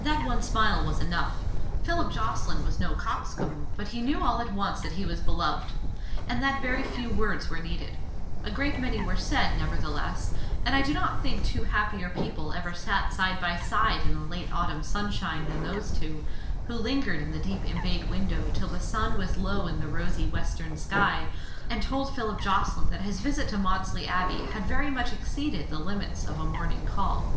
That one smile was enough. Philip Jocelyn was no cox comb, but he knew all at once that he was beloved, and that very few words were needed. A great many were said, nevertheless; and I do not think two happier people ever sat side by side in the late autumn sunshine than those two, who lingered in the deep embayed window till the sun was low in the rosy western sky, and told Philip Jocelyn that his visit to Maudesley Abbey had very much exceeded the limits of a morning call.